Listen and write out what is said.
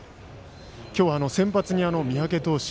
今日は先発に三宅投手。